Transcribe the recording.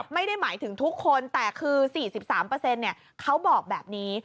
ไม่ได้หมายถึงทุกคนแต่คือ๔๓เขาบอกแบบนี้